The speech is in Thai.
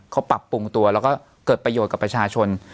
เขาปรับปรุงตัวแล้วก็เกิดประโยชน์กับประชาชน